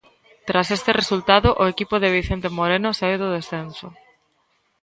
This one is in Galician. Tras este resultado o equipo de Vicente Moreno sae do descenso.